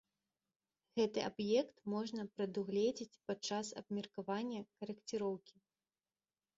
Гэты аб'ект можна прадугледзець падчас абмеркавання карэкціроўкі.